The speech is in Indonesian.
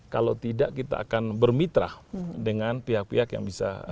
kalau tidak kita akan bermitra dengan pihak pihak yang bisa